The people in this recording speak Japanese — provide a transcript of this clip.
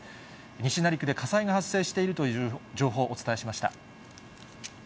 西成区で火災が発生しているという情報、お伝えしました。